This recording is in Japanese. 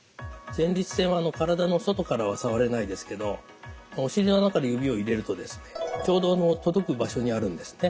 前立腺は体の外からは触れないですけどお尻の穴から指を入れるとですねちょうど届く場所にあるんですね。